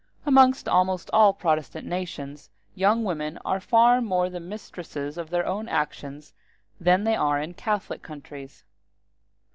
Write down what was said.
Amongst almost all Protestant nations young women are far more the mistresses of their own actions than they are in Catholic countries.